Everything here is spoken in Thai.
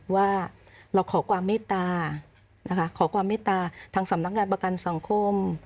ว่าเราขอความเมตตานะคะขอความเมตตาทางสำนักงานประกันสังคม